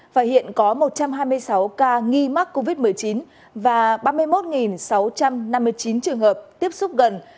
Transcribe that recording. và hiện có một trăm hai mươi sáu ca nghi mắc covid một mươi chín và ba mươi một sáu trăm năm mươi chín trường hợp tiếp xúc gần